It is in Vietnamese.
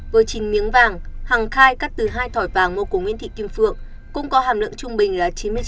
với chín miếng vàng hàng khai cắt từ hai thỏi vàng mua của nguyễn thị kim phượng cũng có hàm lượng trung bình là chín mươi chín chín mươi chín